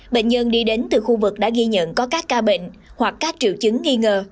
bệnh nhân đi đến từ khu vực đã ghi nhận có các ca bệnh hoặc các triệu chứng nghi ngờ